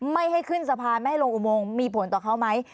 ไม่ให้ขึ้นสะพานไม่ให้ลงอุโมงมีผลต่อเขาไหม